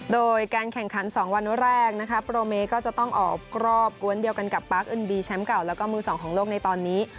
โดยการแข่งขัน๒วันแรกนะคะโปรเมก็จะต้องออกกรอบกวนเดียวกันกับปาร์คอึนบีแชมป์เก่าแล้วก็มือสองของโลกในตอนนี้